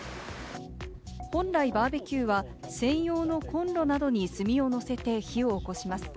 本来バーベキューは専用のコンロなどに炭を乗せて火を起こします。